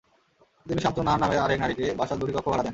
তিনি শামসুন নাহার নামের আরেক নারীকে বাসার দুটি কক্ষ ভাড়া দেন।